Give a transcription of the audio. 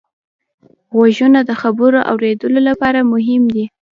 غوږونه د خبرو اورېدلو لپاره مهم دي